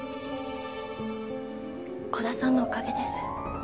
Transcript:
鼓田さんのおかげです。